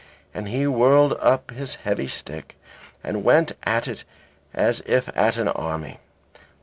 And he whirled up his heavy stick and went at it as if at an army.